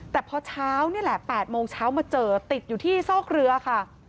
แต่พอเช้านี่แหละ๘โมงเช้ามาเจอติดอยู่ที่ซอกเรือค่ะ